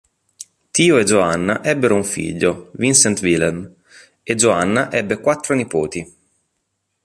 Theo e Johanna ebbero un figlio, Vincent Willem, e Johanna ebbe quattro nipoti.